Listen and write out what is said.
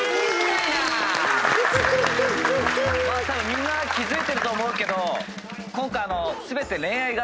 みんな気付いてると思うけど今回全て。